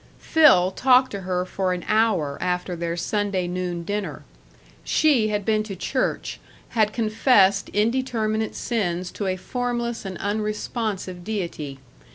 § 6 Phil talked to her for an hour after their Sunday noon dinner. She had been to church; had confessed indeterminate sins to a formless and unresponsive deity.